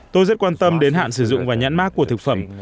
tôi rất quan tâm đến hạn sử dụng và nhãn mát của thực phẩm